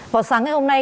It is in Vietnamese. họt sáng ngày hôm nay